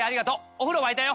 お風呂沸いたよ。